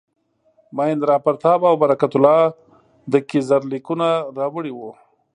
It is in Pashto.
مهیندراپراتاپ او برکت الله د کیزر لیکونه راوړي وو.